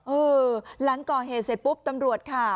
เออหลังก่อเหตุเสร็จปุ๊บตำรวจค่ะ